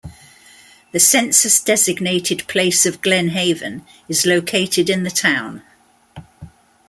The census-designated place of Glen Haven is located in the town.